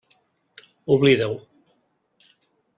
Oblida-ho.